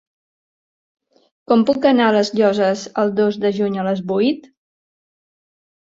Com puc anar a les Llosses el dos de juny a les vuit?